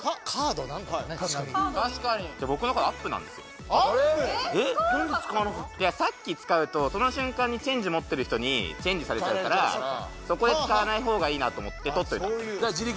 確かに僕のカードいやさっき使うとその瞬間にＣＨＡＮＧＥ持ってる人にチェンジされちゃったらそこで使わない方がいいなと思って取っといたんです